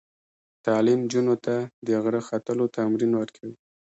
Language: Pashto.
تعلیم نجونو ته د غره ختلو تمرین ورکوي.